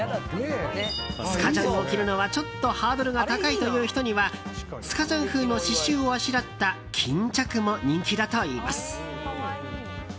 スカジャンを着るのはちょっとハードルが高いという人にはスカジャン風の刺しゅうをあしらった巾着も人気だといいます。